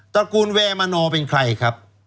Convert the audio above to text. ระกูลแวร์มนอร์เป็นใครครับ